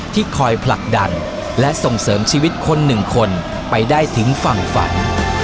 ที่คอยผลักดันและส่งเสริมชีวิตคนหนึ่งคนไปได้ถึงฝั่งฝัน